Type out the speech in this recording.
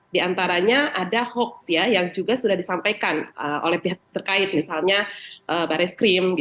di antaranya ada hoaks yang juga sudah disampaikan oleh pihak terkait misalnya barreskrim